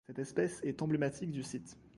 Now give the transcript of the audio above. Cette espèce est emblématique du site.